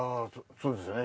そうですね。